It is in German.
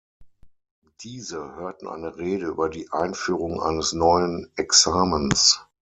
Diese hörten eine Rede über die Einführung eines neuen Examens.